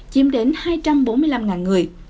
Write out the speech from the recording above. chiếm đến hai trăm bốn mươi năm người